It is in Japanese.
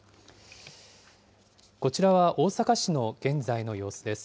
こちらは大阪市の現在の様子です。